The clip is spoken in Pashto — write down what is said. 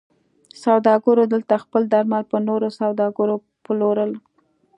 سوداګرو دلته خپل درمل پر نورو سوداګرو پلورل.